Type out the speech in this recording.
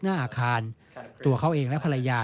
หน้าอาคารตัวเขาเองและภรรยา